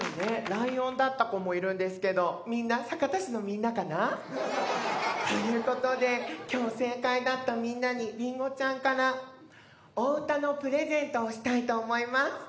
ライオンだった子もいるんですけどみんな酒田市のみんなかな？ということで今日正解だったみんなにりんごちゃんからお歌のプレゼントをしたいと思います。